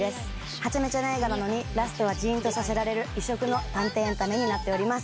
はちゃめちゃな映画なのにラストはじんとさせられる異色の探偵エンタメになってます